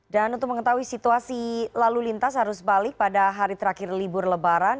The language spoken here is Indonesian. dan untuk mengetahui situasi lalu lintas harus balik pada hari terakhir libur lebaran